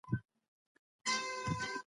د اختلال ناروغان په عادي ژوند کې نورمال وي.